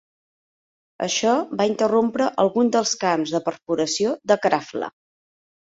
Això va interrompre alguns dels camps de perforació de Krafla.